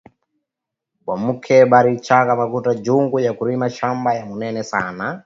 Banamuke bari changa makuta njuu ya ku rima shamba ya munene sana